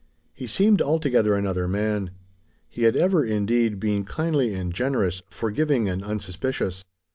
He seemed altogether another man. He had ever, indeed, been kindly and generous, forgiving and unsuspicious.